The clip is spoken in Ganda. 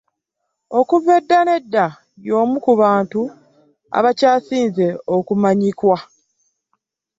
Okuva edda nedda, y'omu kubantu abakyasinze okumanyikwa .